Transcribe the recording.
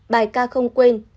bài ca không quên